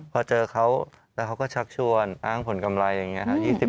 พอเจอเขาแล้วเขาก็ชักชวนอ้างผลกำไรอย่างนี้ครับ